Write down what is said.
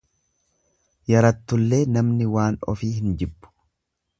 Yarattullee namni waan ofii hin jibbu.